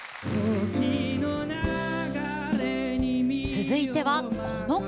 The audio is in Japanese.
続いてはこの方。